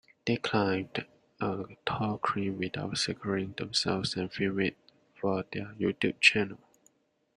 They climbed a tall crane without securing themselves and filmed it for their YouTube channel.